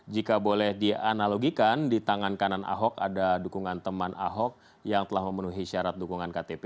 jika boleh dianalogikan di tangan kanan ahok ada dukungan teman ahok yang telah memenuhi syarat dukungan ktp